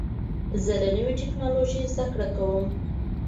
زه له نوې ټکنالوژۍ زده کړه کوم.